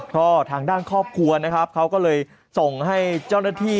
ก็ทางด้านครอบครัวนะครับเขาก็เลยส่งให้เจ้าหน้าที่